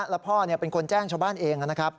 แล้วพ่อเป็นคนแจ้งชาวบ้านเองนะครับ